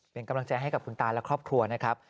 เป็นกำลังใจให้กับคุณตาและครอบครัวนะครับ